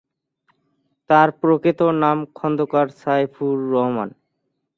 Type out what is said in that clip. তার প্রকৃত নাম খন্দকার সাইফুর রহমান।